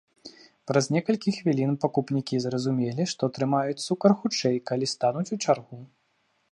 Праз некалькі хвілін пакупнікі зразумелі, што атрымаюць цукар хутчэй, калі стануць у чаргу.